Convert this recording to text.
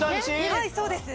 はいそうです。